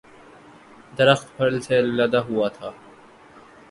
درخت پھل سے لدا ہوا تھا